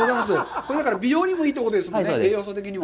これだから、美容にもいいということですもんね、栄養素的にも。